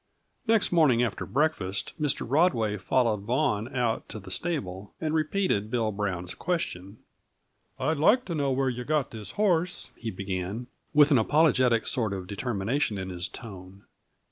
Next morning, after breakfast, Mr. Rodway followed Vaughan out to the stable, and repeated Bill Brown's question. "I'd like to know where yuh got this horse," he began, with an apologetic sort of determination in his tone.